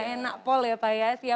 enak pol ya pak ya